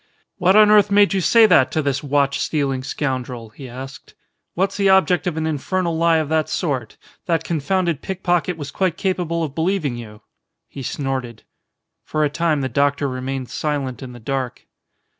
"What on earth made you say that to this watch stealing scoundrel?" he asked. "What's the object of an infernal lie of that sort? That confounded pick pocket was quite capable of believing you." He snorted. For a time the doctor remained silent in the dark.